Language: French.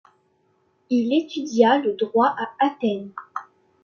Il étudia le droit à Athènes.